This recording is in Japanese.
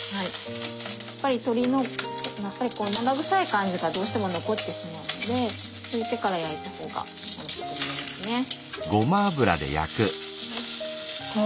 やっぱり鶏のやっぱりこう生臭い感じがどうしても残ってしまうので拭いてから焼いた方がおいしくなりますね。